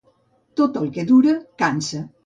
Tot el que dura, cansa.